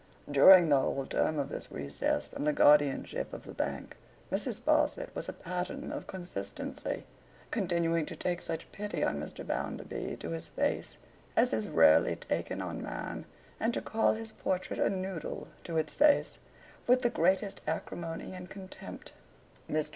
During the whole term of this recess from the guardianship of the Bank, Mrs. Sparsit was a pattern of consistency; continuing to take such pity on Mr. Bounderby to his face, as is rarely taken on man, and to call his portrait a Noodle to its face, with the greatest acrimony and contempt. Mr.